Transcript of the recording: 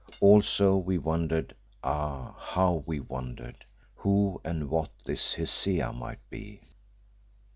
Also we wondered ah! how we wondered who and what this Hesea might be.